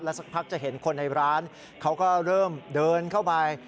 สักพักจะเห็นคนในร้านเขาก็เริ่มเดินเข้าไป